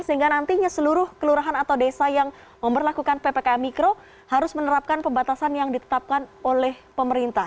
sehingga nantinya seluruh kelurahan atau desa yang memperlakukan ppkm mikro harus menerapkan pembatasan yang ditetapkan oleh pemerintah